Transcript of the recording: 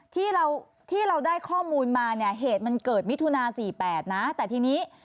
ที่เราที่เราได้ข้อมูลมาเนี่ยเหตุมันเกิดมิถุนา๔๘นะแต่ทีนี้